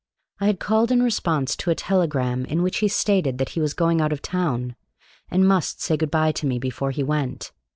I had called in response to a telegram in which he stated that he was going out of town, and must say good by to me before he went.